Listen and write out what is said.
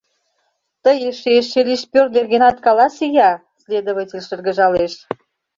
— Тый эше шилишпёр нергенет каласе-я! — следователь шыргыжалеш.